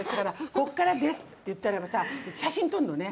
「こっからです」って言ったらばさ写真撮んのね